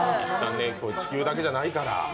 地球だけじゃないから。